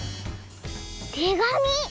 てがみ！